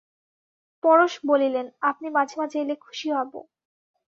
পরেশ বলিলেন, আপনি মাঝে মাঝে এলে খুশি হব।